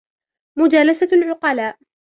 مُجَالَسَةُ الْعُقَلَاءِ